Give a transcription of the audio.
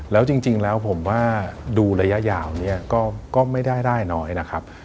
แล้วจริงแล้วผมว่าดูระยะยาวเนี่ยก็ไม่ได้ได้น้อยนะครับ